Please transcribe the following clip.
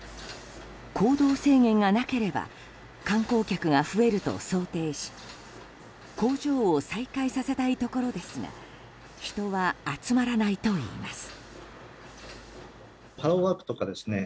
行動制限がなければ観光客が増えると想定し工場を再開させたいところですが人は集まらないといいます。